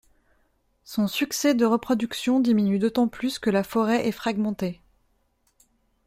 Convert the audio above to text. Son succès de reproduction diminue d'autant plus que la forêt est fragmentée.